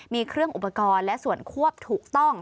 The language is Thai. มีเครื่องอุปกรณ์และส่วนควบถูกต้อง